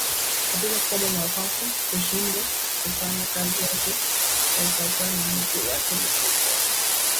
katika koma mapafu kushindwa kufanya kazi yake kwa ufasaha na mwisho wake ni kifo